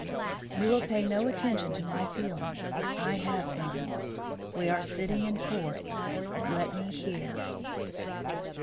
"You will pay no attention to my feelings I have none we are sitting in court let me hear."